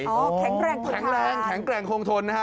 แข็งแรงทนแข็งแรงแข็งแกร่งคงทนนะฮะ